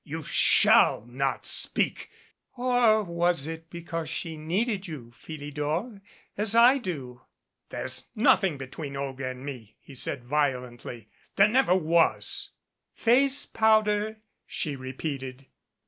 "You shall not speak " "Or was it because she 'needed' you, Philidor, as I do ?" "There's nothing between Olga and me," he said vio lently. "There never was " "Face powder," she repeated.